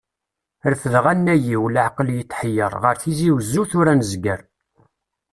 Refdeɣ anay-iw, leɛqel yettḥeyyeṛ, ɣer Tizi Wezzu, tura ad nezger.